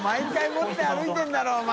莢持って歩いてるだろお前！